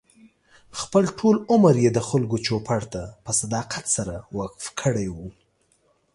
خپل ټول عمر یې د خلکو چوپـړ ته په صداقت سره وقف کړی و.